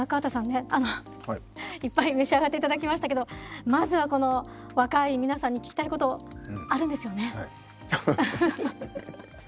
あのいっぱい召し上がっていただきましたけどまずはこの若い皆さんに聞きたいことあるんですよね。